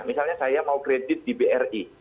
misalnya saya mau kredit di bri